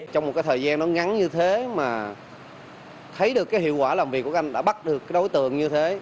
trong một thời gian ngắn như thế mà thấy được hiệu quả làm việc của các anh đã bắt được đối tượng như thế